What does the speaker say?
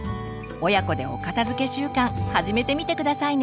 親子でお片づけ習慣始めてみて下さいね。